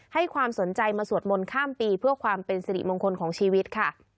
ให้ความสนใจมาสวดมนต์ข้ามปีเพื่อความเป็นสิริมงคลของชีวิตค่ะ